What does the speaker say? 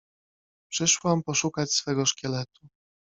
Przyszłam poszukać swego szkieletu.